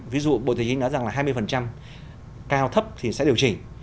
ví dụ bộ tài chính nói rằng là hai mươi cao thấp thì sẽ điều chỉnh